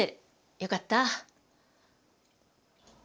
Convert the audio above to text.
よかった。